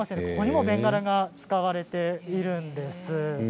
ここにもベンガラが使われているんです。